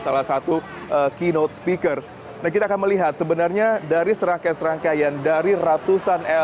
salah satu keynote speaker nah kita akan melihat sebenarnya dari serangkaian serangkaian dari ratusan